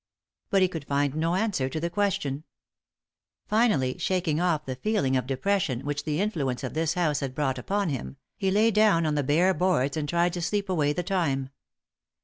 But he could find no answer to the question. Finally, shaking off the feeling of depression which the influence of this house had brought upon him, he lay down on the bare boards and tried to sleep away the time.